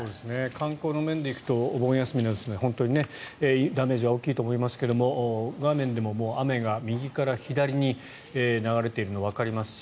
観光の面で行くとお盆休みなので本当にダメージは大きいと思いますが画面でも雨が右から左に流れているのがわかりますし